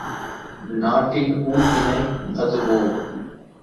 நாட்டின் ஊழ்வினை அதுவோ?